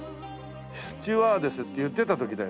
「スチュワーデス」って言ってた時だよね。